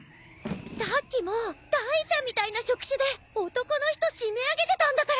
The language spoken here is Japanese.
さっきも大蛇みたいな触手で男の人締め上げてたんだから！